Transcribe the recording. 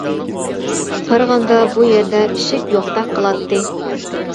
قارىغاندا بۇ يەردە ئىشىك يوقتەك قىلاتتى.